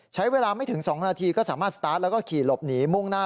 ใช้เวลาไม่ถึง๒นาทีก็สามารถสตาร์ทแล้วก็ขี่หลบหนีมุ่งหน้า